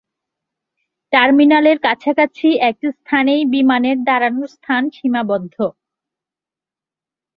টার্মিনালের কাছাকাছি একটি স্থানেই বিমানের দাঁড়ানোর স্থান সীমাবদ্ধ।